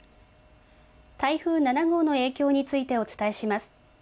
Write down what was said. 台風７号の影響についてお伝えします。